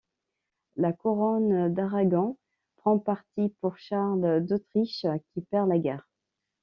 La couronne d'Aragon prend parti pour Charles d'Autriche, qui perd la guerre.